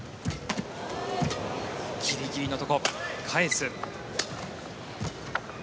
ギリギリのところ、返す。